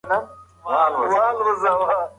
آیا ستا ملګري د نبوي سیرت په اړه مطالعه کړې ده؟